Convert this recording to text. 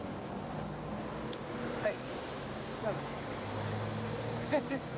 はい。